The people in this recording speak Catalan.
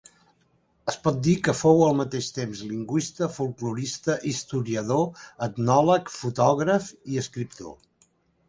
Es pot dir que fou al mateix temps lingüista, folklorista, historiador, etnòleg, fotògraf i escriptor.